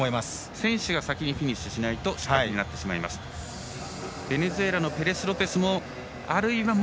選手が先にフィニッシュしないと失格になってしまいます。